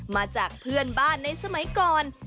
มาจากเพื่อนบ้านในสมัยก่อน